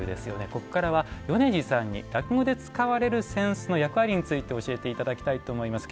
ここからは、米二さんに落語で使われる扇子の役割について教えていただきたいと思います。